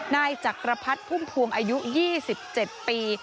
นายจักรพรรดิพุ่มพวงอายุ๒๗ปี